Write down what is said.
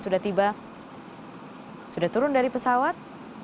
mahathir muhammad sudah tiba sudah turun dari pesawat